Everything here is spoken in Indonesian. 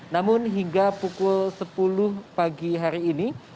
namun hingga pukul sepuluh pagi hari ini